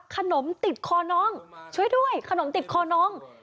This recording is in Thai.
ขนมติดคอน้องช่วยด้วยขนมติดคอน้อง